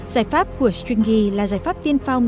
giải pháp của stringy là giải pháp tiên phong